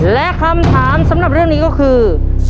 และคำถามสำหรับเรื่องนี้ก็คือ